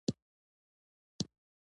ایا ستاسو میلمه پالنه مشهوره نه ده؟